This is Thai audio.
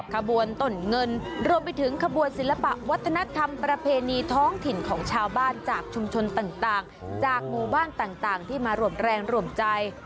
ขบวนตนเงินรวมไปถึงขบวนศิลปะวัฒนธรรมประเพณีท้องถิ่นของชาวบ้านจากชุมชนต่างจากหมู่บ้านต่างที่มาร่วมแรงร่วมใจ